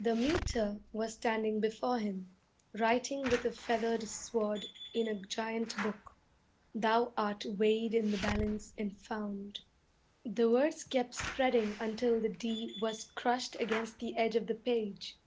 The 'Meter' was standing before him, writing with a feathered sword in a giant book, 'Thou art weighed in the balance and found ' The words kept spreading until the d was crushed against the edge of the page.